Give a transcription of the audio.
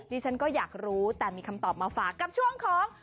ดิฉันก็อยากรู้แต่มีคำตอบมาฝากกับช่วงของ